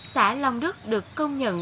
xã long đức được công nhận